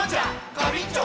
ガビンチョ！